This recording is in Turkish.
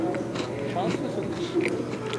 Şanslısınız.